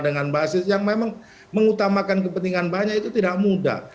dengan basis yang memang mengutamakan kepentingan banyak itu tidak mudah